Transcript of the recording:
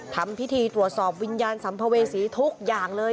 ทำพิธีตรวจสอบวิญญาณสัมภเวษีทุกอย่างเลย